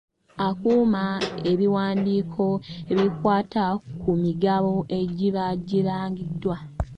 Akuuma ebiwandiko ebikwata ku migabo egiba girangiddwa.